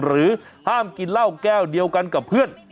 ห้ามกินเหล้าแก้วเดียวกันกับเพื่อน